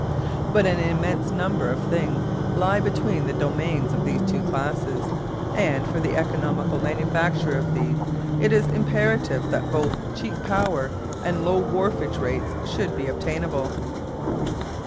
But an immense number of things lie between the domains of these two classes, and for the economical manufacture of these it is imperative that both cheap power and low wharfage rates should be obtainable.